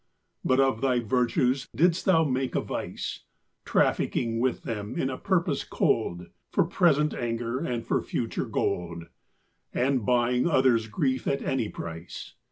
But of thy virtues didst thou make a vice, Trafficking with them in a purpose cold, For present anger, and for future gold And buying others' grief at any price.